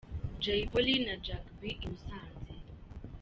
Jay Polly na Jack B i Musanze.